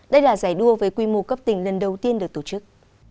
đây là giải đua với quy mô cấp tỉnh lần đầu tiên được tổ chức